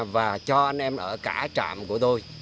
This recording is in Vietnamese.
và cho anh em ở cả trạm của tôi